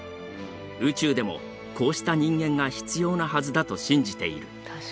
宇宙でもこうした人間が必要なはずだと信じている。